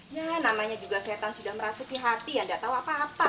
ya namanya juga setan sudah merasuki hati yang gak tau apa apa